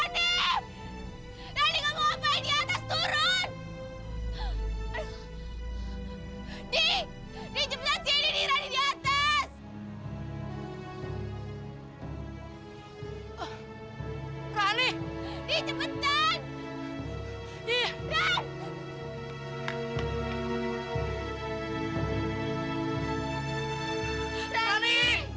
rani turun ren rani